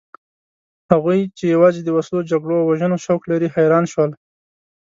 هغوی چې یوازې د وسلو، جګړو او وژنو شوق لري حیران شول.